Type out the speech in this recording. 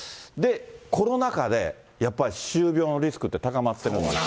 コロナ禍でやっぱり、歯周病のリスクって高まってるんですって。